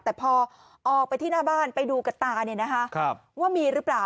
แต่พอออกไปที่หน้าบ้านไปดูกับตาว่ามีหรือเปล่า